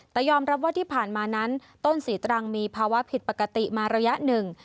แต่ยอมรับว่าที่ผ่านมานั้นต้นศรีตรังมีภาวะผิดปกติมาระยะหนึ่ง